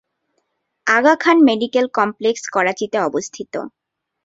আগা Khan medical complex করাচিতে অবস্থিত।